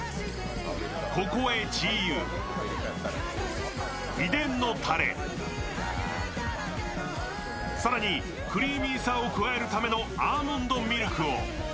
ここへチー油、秘伝のたれ、更にクリーミーさを加えるためのアーモンドミルクを。